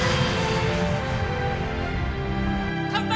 乾杯！